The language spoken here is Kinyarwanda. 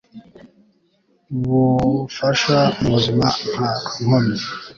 bufasha mu buzima nta nkomyi